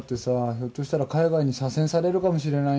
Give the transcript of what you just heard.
ひょっとしたら海外に左遷されるかもしれないんだよ